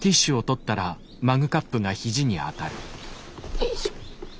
よいしょ。